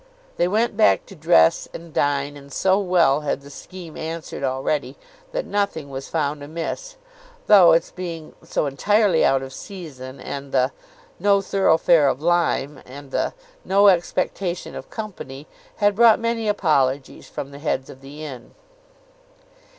They went back to dress and dine; and so well had the scheme answered already, that nothing was found amiss; though its being "so entirely out of season," and the "no thoroughfare of Lyme," and the "no expectation of company," had brought many apologies from the heads of the inn.